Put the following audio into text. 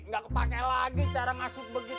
gak kepake lagi cara ngasut begituan